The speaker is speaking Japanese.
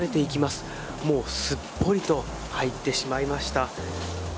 すっぽりと入ってしまいました。